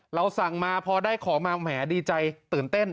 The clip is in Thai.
เราสั่งมาพอได้ของมาแหมดีใจตื่นเต้น